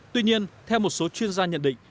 tuy nhiên theo một số chuyên gia nhận định